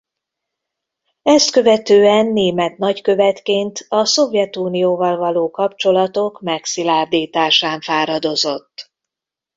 Ezt követően német nagykövetként a Szovjetunióval való kapcsolatok megszilárdításán fáradozott.